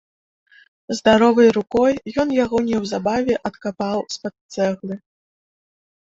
Здаровай рукой ён яго неўзабаве адкапаў з-пад цэглы.